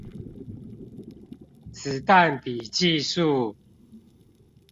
子彈筆記術